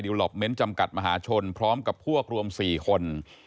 ล็อปเมนต์จำกัดมหาชนพร้อมกับพวกรวม๔คน